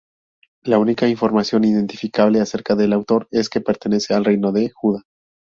La única información identificable acerca del autor es que pertenecía al reino de Judá.